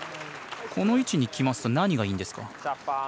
この位置にきますと何がいいんですか。